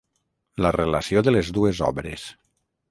La relació de les dues obres.